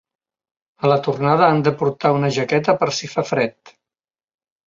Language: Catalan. A la tornada han de portar una jaqueta per si fa fred.